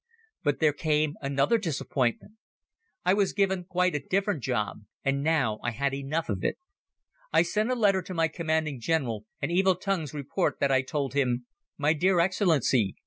But there came another disappointment! I was given quite a different job and now I had enough of it. I sent a letter to my Commanding General and evil tongues report that I told him: "My dear Excellency!